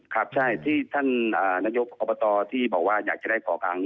ครับใช่ที่ท่านนายกอบตที่บอกว่าอยากจะได้ก่อค้าง